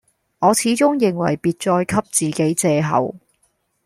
我始終認為別再給自己借口，